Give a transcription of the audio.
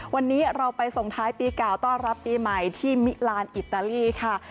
วันนี้เราไปส่งท้ายปีเก่าต้อนรับปีใหม่ที่มิลานอิตาลีค่ะ